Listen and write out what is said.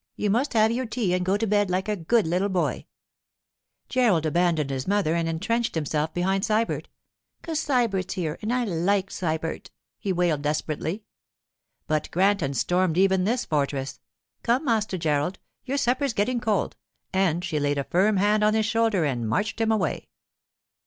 You must have your tea and go to bed like a good little boy.' Gerald abandoned his mother and entrenched himself behind Sybert. ''Cause Sybert's here, an' I like Sybert,' he wailed desperately. But Granton stormed even this fortress. 'Come, Master Gerald; your supper's getting cold,' and she laid a firm hand on his shoulder and marched him away.